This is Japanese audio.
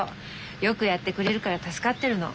よくやってくれるから助かってるの。